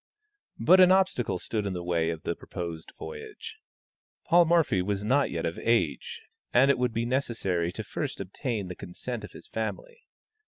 But an obstacle stood in the way of the proposed voyage. Paul Morphy was not yet of age, and it would be necessary to first obtain the consent of his family.